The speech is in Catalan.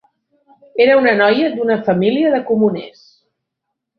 Era una noia d"una família de comuners.